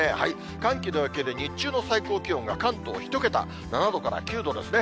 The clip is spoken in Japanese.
寒気の影響で日中の最高気温が関東１桁、７度から９度ですね。